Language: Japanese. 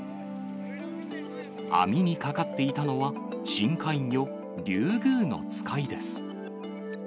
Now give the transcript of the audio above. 網にかかっていたのは、深海魚、リュウグウノツカイです。